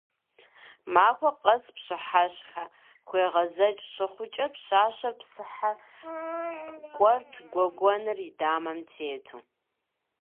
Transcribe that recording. Махуэ къэс пщыхьэщхьэхуегъэзэкӀ щыхъукӀэ, пщащэр псыхьэ кӀуэрт гуэгуэныр и дамэм тету.